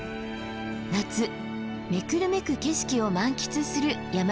夏目くるめく景色を満喫する山旅です。